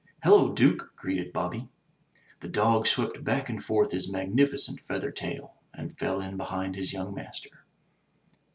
"Hello, Duke!*' greeted Bobby. The dog swept back and forth his magnificent feather tail, and fell in behind his young master.